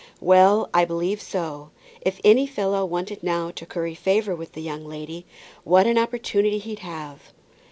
"Well, I believe so. If any fellow wanted now to curry favour with the young lady, what an opportunity he'd have."